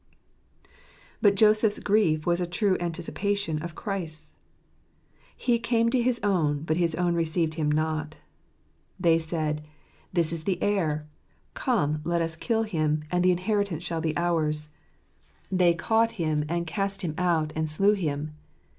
But Joseph's grief was a true anticipation of Christ's. " He came to his own, but his own received Him not." / s They said, "This is the heir, come let us kill Him, and the inheritance shall be ours." "They caught Him, and 26 %ht $it. cast Him out, and slew Him."